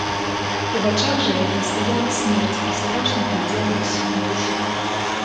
У вачах жа яе стаяла смерць і страшна глядзела ўсім у душу.